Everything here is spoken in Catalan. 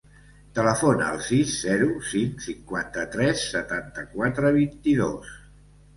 Telefona al sis, zero, cinc, cinquanta-tres, setanta-quatre, vint-i-dos.